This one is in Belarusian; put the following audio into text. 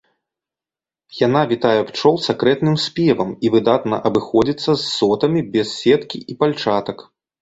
Яна вітае пчол сакрэтным спевам і выдатна абыходзіцца з сотамі без сеткі і пальчатак.